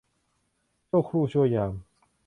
ชั่วครู่ชั่วยาม